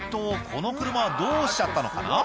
この車はどうしちゃったのかな？